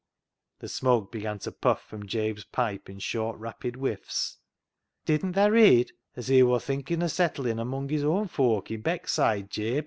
The smoke began to puff from Jabe's pipe in short, rapid whiffs. " Didn't tha read as he wor thinkin' o' settlin' amung his own fouk i' Beckside, Jabe